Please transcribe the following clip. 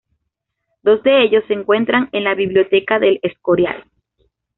Dos de ellos se encuentran en la Biblioteca del Escorial.